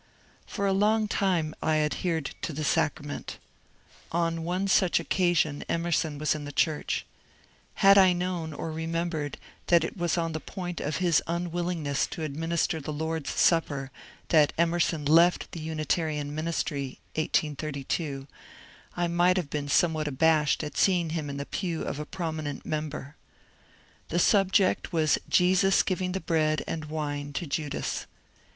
For a long time I adhered to the sacrament. On one such occasion Emerson was in the church. Had I known or re membered that it was on the point of his unwillingness to administer the " Lord's Supper" that Emerson left the Uni tarian ministry (1832), I might have been somewhat abashed at seeiug him in the pew of a prominent member. The sub ject was Jesus giving the bread and wine to Judas.